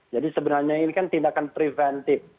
jadi sebenarnya ini kan tindakan preventif